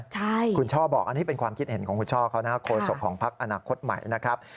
ใช่คุณช่อบอกอันนี้เป็นความคิดเห็นของคุณช่อเขานะครับโคศกของพักอนาคตใหม่นะครับ